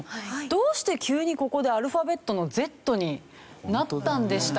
どうして急にここでアルファベットのＺになったんでしたっけ？